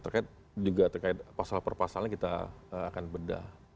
terkait juga pasal perpasalnya kita akan bedah